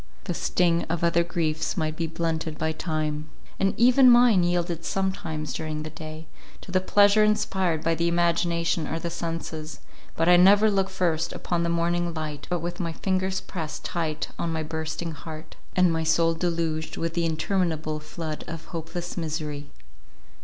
The sting of other griefs might be blunted by time; and even mine yielded sometimes during the day, to the pleasure inspired by the imagination or the senses; but I never look first upon the morning light but with my fingers pressed tight on my bursting heart, and my soul deluged with the interminable flood of hopeless misery.